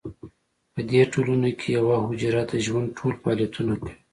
په دې ټولنو کې یوه حجره د ژوند ټول فعالیتونه کوي.